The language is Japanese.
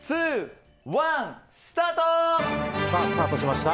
スタートしました。